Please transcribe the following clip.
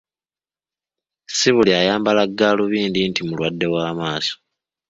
Si buli ayambala ggaalubindi nti mulwadde wa maaso.